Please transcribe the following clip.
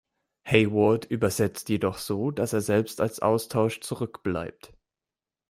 Hayward übersetzt jedoch so, dass er selbst als Austausch zurück bleibt.